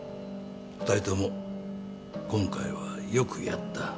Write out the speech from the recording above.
２人とも今回はよくやった。